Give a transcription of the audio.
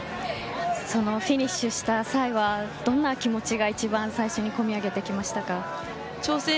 フィニッシュした際はどのような気持ちが一番最初に込み上げてきましたか。